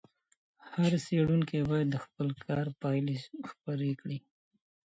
هر څېړونکی باید د خپل کار پایلي خپرې کړي.